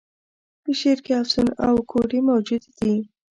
په شعر کي افسون او کوډې موجودي دي.